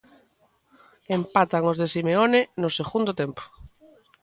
Empatan os de Simeone no segundo tempo.